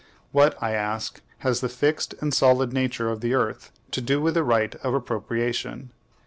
What, I ask, has the fixed and solid nature of the earth to do with the right of appropriation?